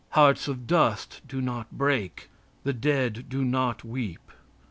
Hearts of dust do not break; the dead do not weep.